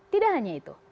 tidak hanya itu